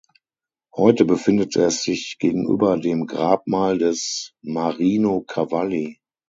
Heute befindet es sich gegenüber dem Grabmal des Marino Cavalli.